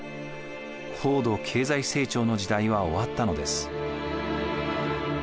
高度経済成長の時代は終わったのです。